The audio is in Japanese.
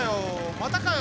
またかよ！